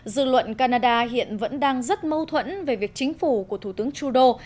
dư luận canada hiện vẫn đang rất mâu thuẫn về việc chính phủ của thủ tướng trudeau